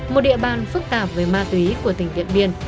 một địa bàn phức tạp với ma túy của tỉnh tiện biệt